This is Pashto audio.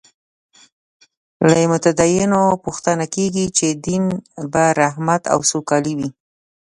له متدینو پوښتنه کېږي چې دین به رحمت او سوکالي وي.